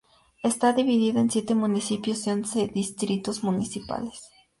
Está dividida en siete municipios y once distritos municipales.